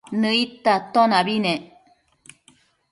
Uidta atonabi nec